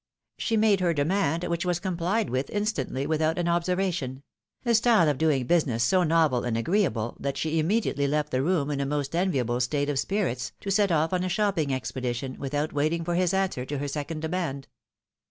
" She made her demand, which was comphed with instantly, without an observation ; a style of doing business so novel and agree able, that she immediately left the room in a most enviable state K 2 164 THE WIDOW MAEEIED. of spirits, to set off on a shopping expedition, without waiting for his answer to her second demand.